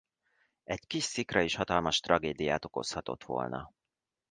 Egy kis szikra is hatalmas tragédiát okozhatott volna.